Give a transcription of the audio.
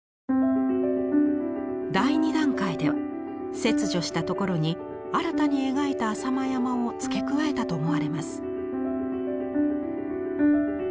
第二段階では切除したところに新たに描いた浅間山を付け加えたと思われます。